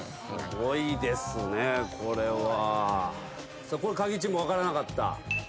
すごいですねこれは。これカギチーム分からなかった？